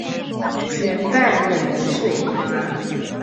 圆瓣冷水麻